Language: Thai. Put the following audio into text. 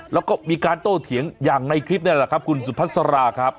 แล้วก็มีการโต้เถียงอย่างในคลิปนี่แหละครับคุณสุพัสราครับ